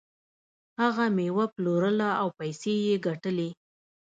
هغه میوه پلورله او پیسې یې ګټلې.